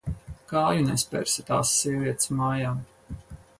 Kāju nespersi tās sievietes mājā.